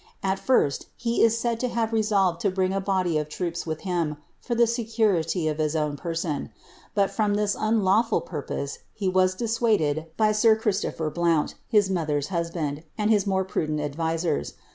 At first, he is said to have resolved to bring ft body of troops with him for the security of his own person ; but from this unlawful purpose, he was dissuaded by sir Christopher Blount, his mother^s husband, and his more prudent advisers.